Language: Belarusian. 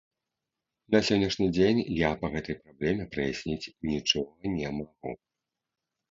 На сённяшні дзень я па гэтай праблеме праясніць нічога не магу.